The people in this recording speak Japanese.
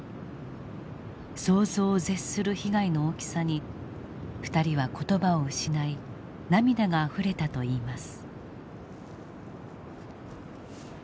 想像を絶する被害の大きさに２人は言葉を失い涙があふれたといいます。